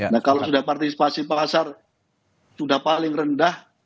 nah kalau sudah partisipasi pasar sudah paling rendah